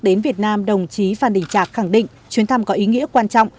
đến việt nam đồng chí phan đình trạc khẳng định chuyến thăm có ý nghĩa quan trọng